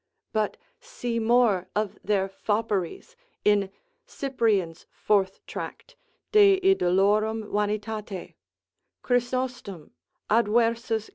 But see more of their fopperies in Cypr. 4. tract, de Idol. varietat. Chrysostom advers.